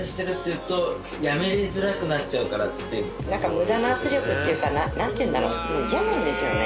無駄な圧力っていうかな何ていうんだろう嫌なんですよね